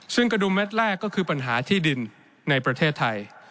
ซึ่งกระดุมเม็ดแรกก็คือปัญหาที่ดินในประเทศไทย